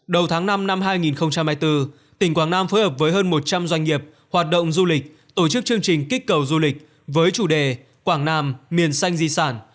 đầu tháng năm năm hai nghìn hai mươi bốn tỉnh quảng nam phối hợp với hơn một trăm linh doanh nghiệp hoạt động du lịch tổ chức chương trình kích cầu du lịch với chủ đề quảng nam miền xanh di sản